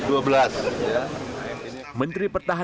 menteri pertahanan memberikan kata